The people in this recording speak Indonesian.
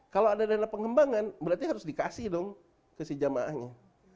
kalau ada dana pengembangan berarti harus dikasih dong ke si jamaahnya